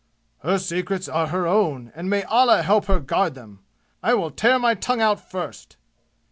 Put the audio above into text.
"Her secrets are her own, and may Allah help her guard them! I will tear my tongue out first!"